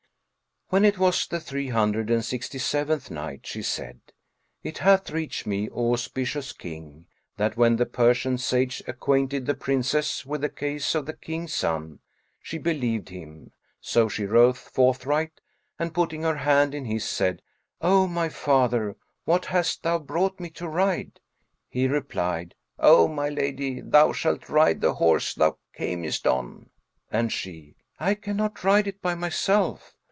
When it was the Three Hundred and Sixty seventh Night, She said, It hath reached me, O auspicious King, that when the Persian sage acquainted the Princess with the case of the King's son, she believed him; so she rose forthright; and, putting her hand in his, said, "O my father, what hast thou brought me to ride?" He replied, "O my lady, thou shalt ride the horse thou camest on;" and she, "I cannot ride it by myself."